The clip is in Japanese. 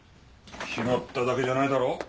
拾っただけじゃないだろ？